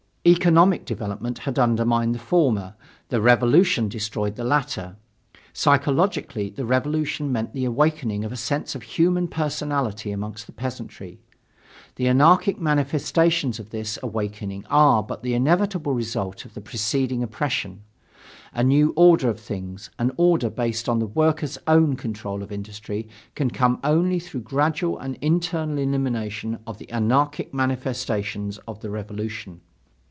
Economic development had undermined the former, the revolution destroyed the latter. Psychologically, the revolution meant the awakening of a sense of human personality among the peasantry. The anarchic manifestations of this awakening are but the inevitable results of the preceding oppression. A new order of things, an order based on the workers' own control of industry, can come only through gradual and internal elimination of the anarchic manifestations of the revolution.